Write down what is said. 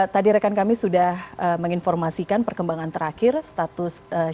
tadi rekan kami sudah menginformasikan perkembangan terakhir status kursi